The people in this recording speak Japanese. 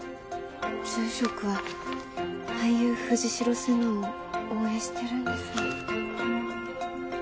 住職は俳優藤代瀬那を応援してるんですね。